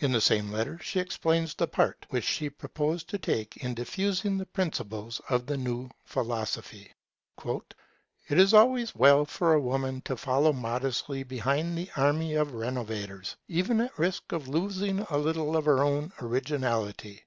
In the same letter she explains the part which she proposed to take in diffusing the principles of the new philosophy: 'It is always well for a woman to follow modestly behind the army of renovators, even at the risk of losing a little of her own originality'.